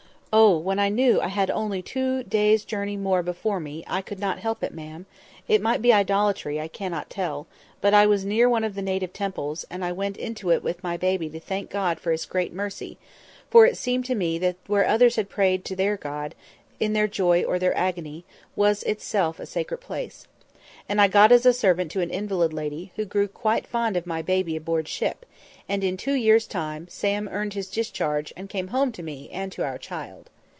Oh! when I knew I had only two days' journey more before me, I could not help it, ma'am—it might be idolatry, I cannot tell—but I was near one of the native temples, and I went into it with my baby to thank God for His great mercy; for it seemed to me that where others had prayed before to their God, in their joy or in their agony, was of itself a sacred place. And I got as servant to an invalid lady, who grew quite fond of my baby aboard ship; and, in two years' time, Sam earned his discharge, and came home to me, and to our child.